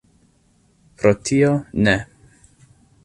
Pro tio ne.